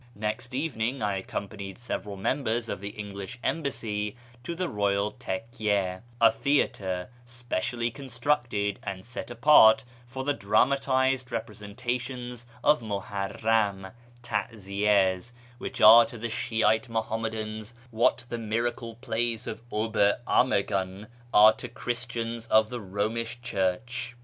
Next evening I accompanied several members of the English Embassy to the Eoyal tcky6, a theatre specially constructed and set apart for the dramatised representations iOf Muharram {taziyas), which are to the Shi'ite Muhammadan iWliat the Miracle plays of Ober Ammergau are to Christians of the Eomish Church.